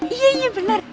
iya iya bener